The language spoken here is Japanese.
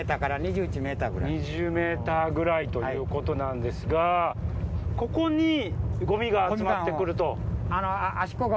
２０ｍくらいということなんですがここにごみが集まってくると？